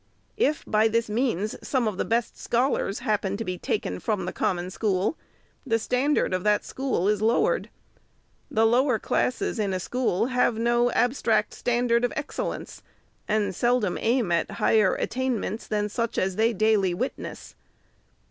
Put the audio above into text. If, by this means, some of the best scholars happen to be taken from the Common School, the standard of that school is lowered. The lower classes in a school have no abstract standard of excellence, and seldom aim at higher attain ments than such as they daily witness.